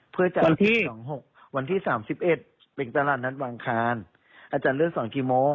เพื่อจะวันที่สามสิบเอ็ดเป็นตลาดนัดวางคารอาจารย์เลือกสอนกี่โมง